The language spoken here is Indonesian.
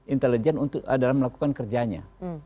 intelijen untuk melakukan kerjanya